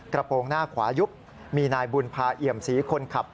โปรงหน้าขวายุบมีนายบุญภาเอี่ยมศรีคนขับ